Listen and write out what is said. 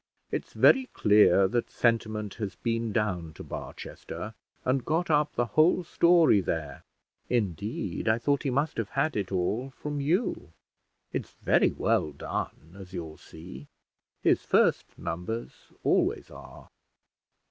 It's very clear that Sentiment has been down to Barchester, and got up the whole story there; indeed, I thought he must have had it all from you; it's very well done, as you'll see: his first numbers always are."